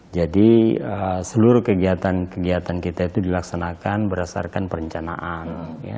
jadi seluruh kegiatan kegiatan kita itu dilaksanakan berdasarkan perencanaan